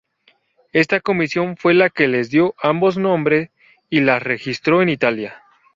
Esta comisión fue la que les dio ambos nombre y las registró en Italia.